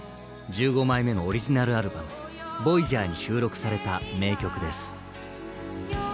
１５枚目のオリジナルアルバム「ＶＯＹＡＧＥＲ」に収録された名曲です。